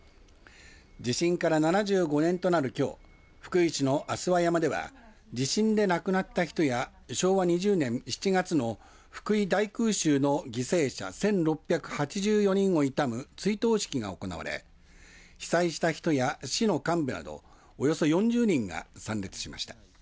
地震から７５年となる、きょう福井市の足羽山では地震で亡くなった人や昭和２０年７月の福井大空襲の犠牲者１６８４人を悼む追悼式が行われ被災した人や市の幹部などおよそ４０人が参列しました。